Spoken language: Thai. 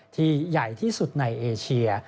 ที่ใหญ่ที่สุดในเอเชีย